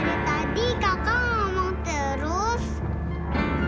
kakak cinta sekarang ulang tahun